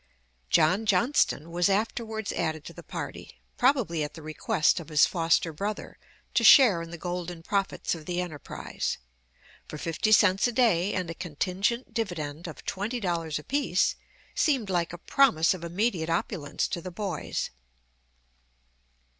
John Johnston was afterwards added to the party, probably at the request of his foster brother, to share in the golden profits of the enterprise; for fifty cents a day, and a contingent dividend of twenty dollars apiece, seemed like a promise of immediate opulence to the boys.